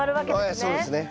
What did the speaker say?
ええそうですね。